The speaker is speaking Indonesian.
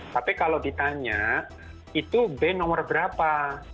tapi kalau ditanya itu b nomor berapa